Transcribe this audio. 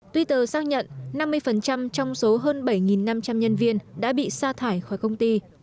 twitter xác nhận năm mươi trong số hơn bảy năm trăm linh nhân viên đã bị xa thải khỏi công ty